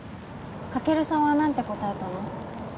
カケルさんは何て答えたの？